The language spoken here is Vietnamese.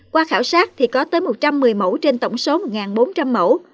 qua khảo sát thì có tới một trăm một mươi mẫu trên tổng số một bốn trăm linh mẫu